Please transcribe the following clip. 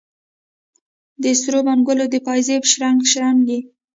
د سرو منګولو د پایزیب شرنګ، شرنګ یې